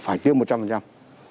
phải tiếp một trăm linh